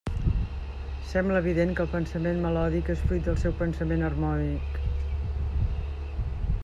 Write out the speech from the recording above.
Sembla evident que el pensament melòdic és fruit del seu pensament harmònic.